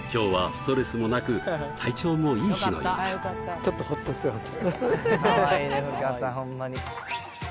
ちょっとほっとしてます